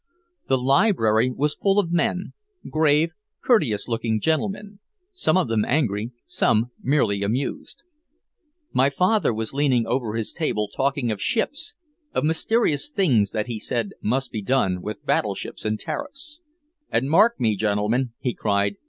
The library was full of men, grave, courteous looking gentlemen, some of them angry, some merely amused. My father was leaning over his table talking of ships, of mysterious things that he said must be done with battleships and tariffs. "And mark me, gentlemen," he cried.